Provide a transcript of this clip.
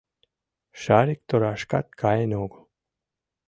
Шарик торашкат каен огыл.